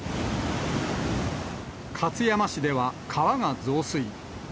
勝山市では川が増水。